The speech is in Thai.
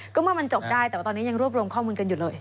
ก็เมื่อมันจบได้แต่ว่าตอนนี้ยังรวบรวมข้อมูลกันอยู่เลย